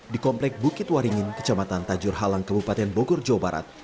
di komplek bukit waringin kecamatan tajur halang kabupaten bogor jawa barat